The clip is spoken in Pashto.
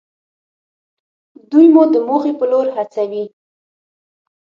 دوی مو د موخې په لور هڅوي.